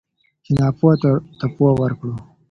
چې ناپوه ته پوهه ورکړو.